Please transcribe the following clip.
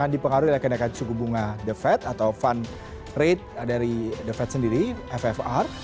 dipengaruhi oleh kenaikan suku bunga the fed atau fund rate dari the fed sendiri ffr